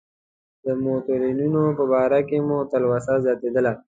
د متولیانو په باره کې مې تلوسه زیاتېدله.